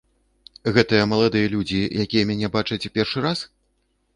Гэтыя маладыя людзі, якія мяне бачаць першы раз?